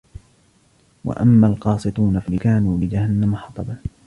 وَأَمَّا الْقَاسِطُونَ فَكَانُوا لِجَهَنَّمَ حَطَبًا